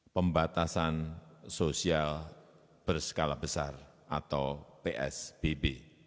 pembatasan sosial berskala besar atau psbb